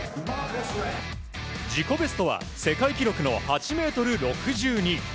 自己ベストは世界記録の８ｍ６２。